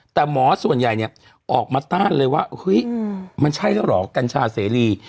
แต่หมอส่วนใหญ่เนี่ยออกมาต้านเลยว่าเฮ้ยมันใช่แล้วเหรอกัญชาเสรี